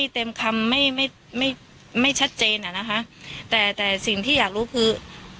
แต่สิ่งที่อยากรู้คือ